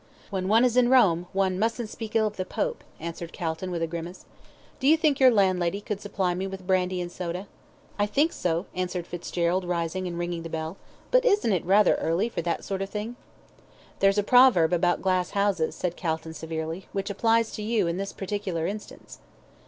"When one is in Rome, one musn't speak ill of the Pope," answered Calton, with a grimace. "Do you think your landlady could supply me with brandy and soda?" "I think so," answered Fitzgerald, rising, and ringing the bell; "but isn't it rather early for that sort of thing?" "There's a proverb about glass houses," said Calton, severely, "which applies to you in this particular instance."